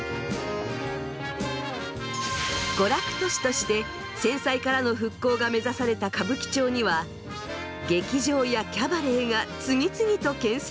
娯楽都市として戦災からの復興が目指された歌舞伎町には劇場やキャバレーが次々と建設。